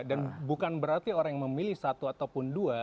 dan bukan berarti orang yang memilih satu ataupun dua